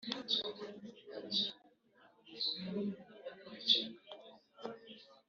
kubiteganywa n amategeko n amabwiriza bigenga imicungire y abakozi ba leta